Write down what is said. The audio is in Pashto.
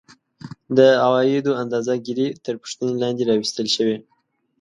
د عوایدو اندازه ګیري تر پوښتنې لاندې راوستل شوې